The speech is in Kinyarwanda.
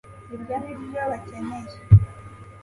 ibyo nibyo bakeneye